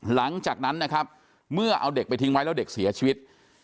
หลังจากนั้นนะครับเมื่อเอาเด็กไปทิ้งไว้แล้วเด็กเสียชีวิต